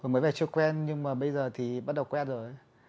mới về chưa quen nhưng mà bây giờ thì bắt đầu quen rồi